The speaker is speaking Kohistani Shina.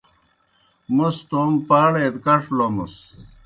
موْس توموْ پاڑے دہ کڇ لومَس۔